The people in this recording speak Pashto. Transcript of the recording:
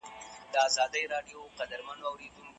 د ښایست یې پر ملکونو چوک چوکه سوه